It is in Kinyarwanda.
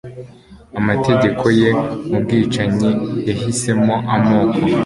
Amategeko ye mubwicanyi yahisemo amoko